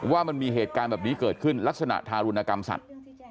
ว่ามันมีเหตุการณ์แบบนี้เกิดขึ้นลักษณะทารุณกรรมสัตว์